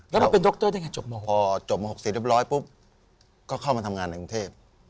แล้วมาเป็นดรได้ไงจบม๖พอจบม๖๐เรียบร้อยปุ๊บก็เข้ามาทำงานในกรุงเทพ